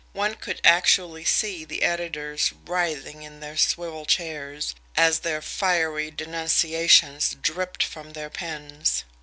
One could actually see the editors writhing in their swivel chairs as their fiery denunciations dripped from their pens!